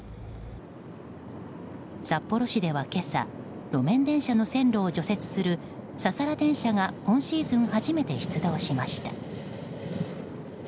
札幌市では今朝路面電車の線路を除雪するササラ電車が今シーズン初めて出動しました。